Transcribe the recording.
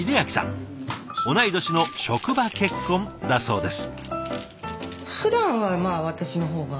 同い年の職場結婚だそうです。